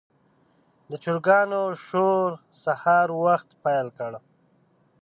د چرګانو شور د سهار وخت پیل کړ.